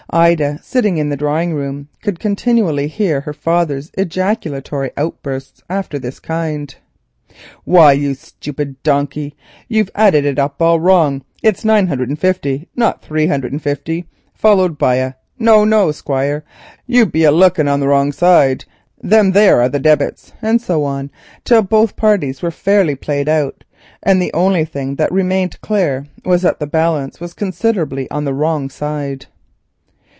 Ida, sitting in the drawing room, could occasionally hear her father's ejaculatory outbursts after this kind: "Why, you stupid donkey, you've added it up all wrong, it's nine hundred and fifty, not three hundred and fifty;" followed by a "No, no, Squire, you be a looking on the wrong side—them there is the dibits," and so on till both parties were fairly played out, and the only thing that remained clear was that the balance was considerably on the wrong side.